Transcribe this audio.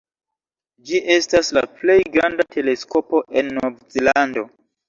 Ĝi estas la plej granda teleskopo en Nov-Zelando.